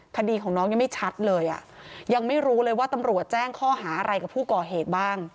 คดีของน้องยังไม่ชัดเลยอ่ะยังไม่รู้เลยว่าตำรวจแจ้งข้อหาอะไรกับผู้ก่อเหตุบ้าง